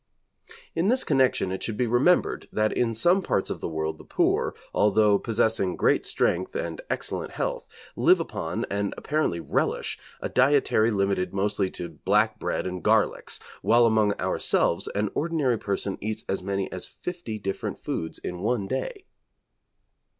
In this connection it should be remembered that in some parts of the world the poor, although possessing great strength and excellent health, live upon, and apparently relish, a dietary limited mostly to black bread and garlics, while among ourselves an ordinary person eats as many as fifty different foods in one day.